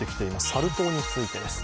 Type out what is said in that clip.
サル痘についてです。